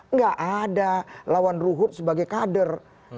nggak ada lawan ruhut sebagai kader